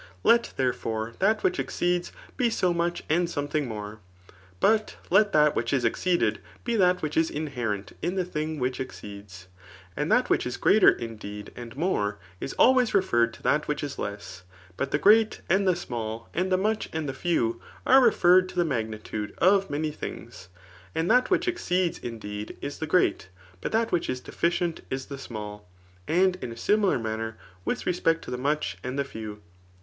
Let, therefore, that which exceeds be ' 80 much and something more ; but let that which is ex ceeded be that which is inherent |[in the thing which ex ceeds.] And that which is greater, indeed, aiid more, is always referred to that which is less ; but the great and the ^mall, and the much and the few, are referred to dbe magnitude of many things. And that which exceeds, indeed, is the great ; but that which is deficient is the small ; and in a similar manner with respect to the muck and the few.